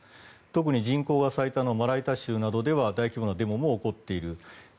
特に人口が最多の州などでは大規模なデモも起こっている。